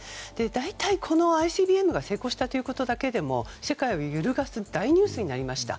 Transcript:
大体、このＩＣＢＭが成功したということだけでも世界を揺るがす大ニュースになりました。